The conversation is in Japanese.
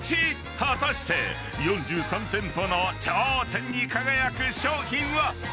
［果たして４３店舗の頂点に輝く商品は⁉］